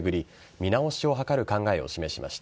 見直しを図る考えを示しました。